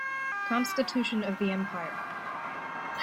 Constitution of the empire.